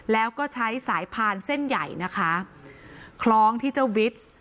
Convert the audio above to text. แล้วก็ใช้สายพานเส้นใหญ่นะคะคล้องที่เจ้าวิส